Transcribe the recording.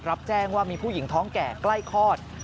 รับแจ้งว่ามีผู้หญิงท้องแก่ใกล้คลอด